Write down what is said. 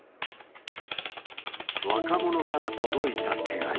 若者から届いた手紙。